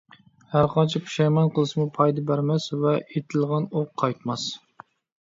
ھەرقانچە پۇشايمان قىلسىمۇ پايدا بەرمەس ۋە ئېتىلغان ئوق قايتماس.